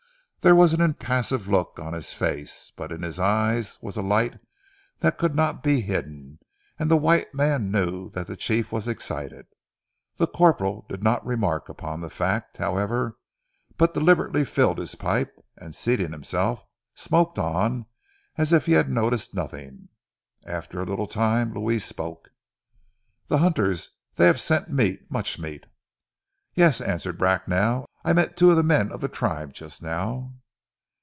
There was an impassive look on his face, but in his eyes was a light that could not be hidden, and the white man knew that the chief was excited. The corporal did not remark upon the fact, however, but deliberately filled his pipe, and seating himself, smoked on as if he had noticed nothing. After a little time Louis spoke. "Ze hunters they hav' sent meat, mooch meat!" "Yes," answered Bracknell. "I met two men of the tribe just now."